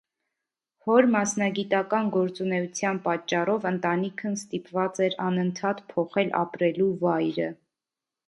Հոր մասնագիտական գործունեության պատճառով ընտանիքն ստիպված էր անընդհատ փոխել ապրելու վայրը։